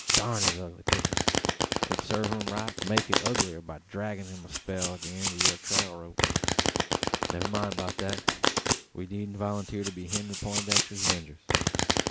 Durn his ugly picter! It would sarve him right to make it uglier by draggin' him a spell at the eend o' yur trail rope. "Never mind beout that. We needn't volunteer to be Henry Peintdexter's 'vengers.